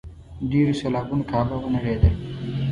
ډېرو سېلابونو کعبه ونړېده.